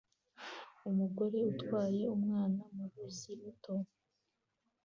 Umugore atwaye umwana mu ruzi ruto